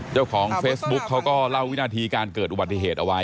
เจ้าของเฟซบุ๊กเขาก็เล่าวินาทีการเกิดอุบัติเหตุเอาไว้